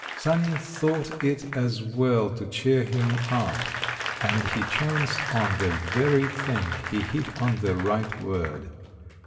Sanin thought it as well to cheer him up, and he chanced on the very thing, he hit on the right word.